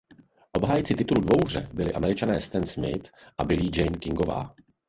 Obhájci titulu dvouhře byli Američané Stan Smith a Billie Jean Kingová.